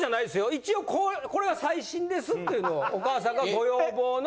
一応これが最新ですっていうのをお母さんがご要望の。